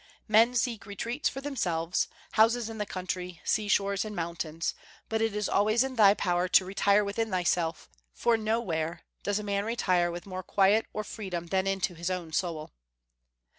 "Men seek retreats for themselves, houses in the country, seashores, and mountains; but it is always in thy power to retire within thyself, for nowhere does a man retire with more quiet or freedom than into his own soul."